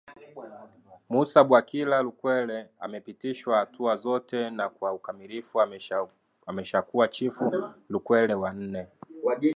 Mussa Bwakila Lukwele amepitishwa hatua zote na kwa ukamilifu ameshakuwa Chifu Lukwele wa nne